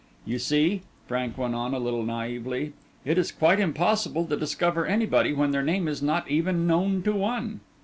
You see," Frank went on, a little naïvely, "it is quite impossible to discover anybody when their name is not even known to one."